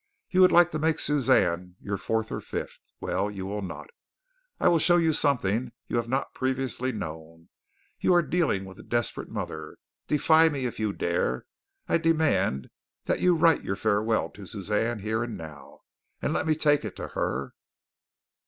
You would like to make my Suzanne your fourth or fifth. Well, you will not. I will show you something you have not previously known. You are dealing with a desperate mother. Defy me if you dare. I demand that you write your farewell to Suzanne here and now, and let me take it to her."